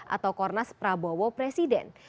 atau kornas prabowo presiden